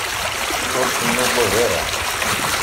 Ur ken-nuggad ara.